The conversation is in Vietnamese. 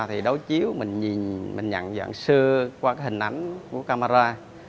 thì đối chiếu mình nhận dạng xưa qua hình ảnh của camera